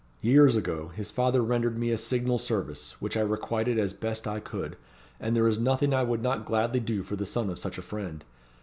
Years ago, his father rendered me a signal service, which I requited as I best could; and there is nothing I would not gladly do for the son of such a friend.